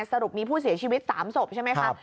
สรุปมีผู้เสียชีวิต๓ศพใช่ไหมคะ